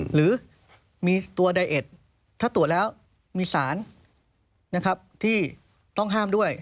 หรือมีตัวไดเอ็ดถ้าตรวจแล้วมีสารที่ต้องห้ามด้วย